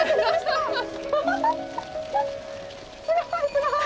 すごい！